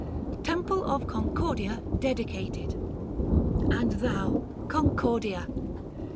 770 TEMPLE OF CONCORD DEDICATED. And thou, Concordia